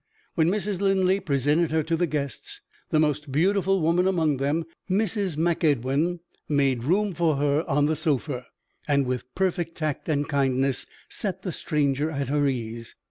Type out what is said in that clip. When Mrs. Linley presented her to the guests, the most beautiful woman among them (Mrs. MacEdwin) made room for her on the sofa, and with perfect tact and kindness set the stranger at her ease.